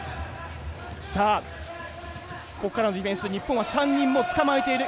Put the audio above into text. さあここからのディフェンス日本は３人もう捕まえている。